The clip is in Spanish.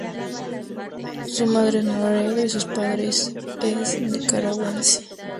Su madre es noruega y su padre es nicaragüense.